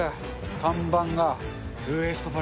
看板が。